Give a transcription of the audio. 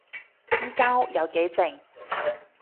依間屋有幾靜